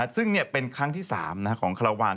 ซึ่งเป็นครั้งที่๓ของคาราวาน